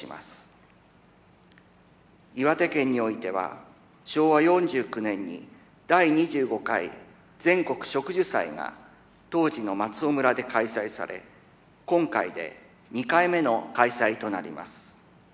岩手県においては昭和４９年に第２５回全国植樹祭が当時の松尾村で開催され今回で２回目の開催となります。